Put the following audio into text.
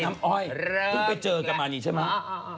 น้ำอ้อยต้องไปเจอกันมานี่ใช่มั้ย